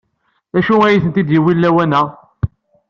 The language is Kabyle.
D acu ay ten-id-yewwin lawan-a?